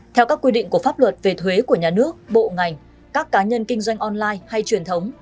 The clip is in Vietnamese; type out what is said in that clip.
theo các quy định của pháp luật về thuế của nhà nước bộ ngành các cá nhân kinh doanh online hay truyền thống